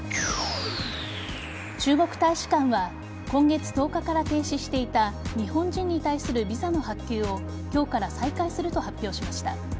中国大使館は今月１０日から停止していた日本人に対するビザの発給を今日から再開すると発表しました。